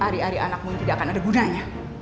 hari hari anakmu tidak akan ada gunanya